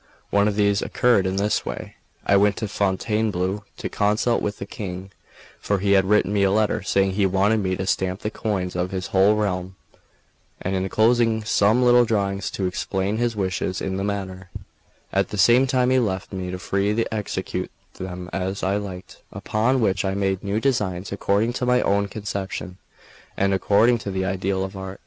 One of these occurred in this way: I went to Fontainebleau to consult with the King; for he had written me a letter saying he wanted me to stamp the coins of his whole realm, and enclosing some little drawings to explain his wishes in the matter; at the same time he left me free to execute them as I liked; upon which I made new designs according to my own conception, and according to the ideal of art.